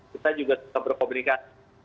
kita juga sudah berkomunikasi